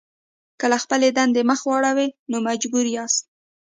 که له خپلې دندې مخ واړوئ نو مجبور یاست.